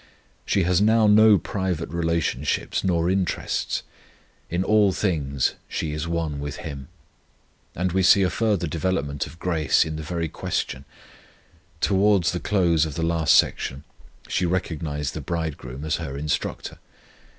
She has now no private relationships nor interests; in all things she is one with Him. And we see a further development of grace in the very question. Towards the close of the last section she recognized the Bridegroom as her Instructor.